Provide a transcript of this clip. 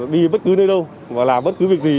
đi bất cứ nơi đâu và làm bất cứ việc gì